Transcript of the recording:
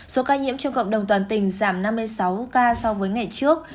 số ca nhiễm trong cộng đồng toàn tỉnh giảm năm mươi sáu ca so với ngày trước